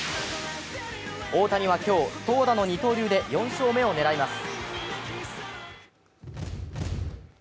大谷は今日、投打の二刀流で４勝目を狙います。